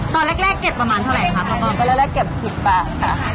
ตอนแรกเก็บประมาณเท่าไหร่คะ